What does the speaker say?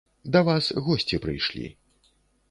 Да вас госці прыйшлі.